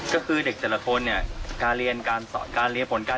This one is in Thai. ก็คือเด็กแต่ละคนเรียนผลการเรียน